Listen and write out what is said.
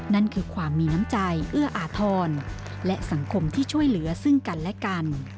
นั่นคือความมีน้ำใจเอื้ออาทรและสังคมที่ช่วยเหลือซึ่งกันและกัน